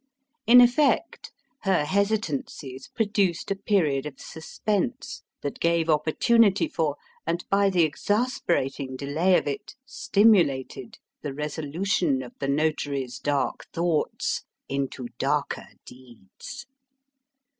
In effect, her hesitancies produced a period of suspense that gave opportunity for, and by the exasperating delay of it stimulated, the resolution of the Notary's dark thoughts into darker deeds.